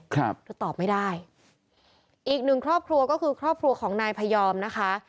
ครับเธอตอบไม่ได้อีกหนึ่งครอบครัวก็คือครอบครัวของนายพยอมนะคะ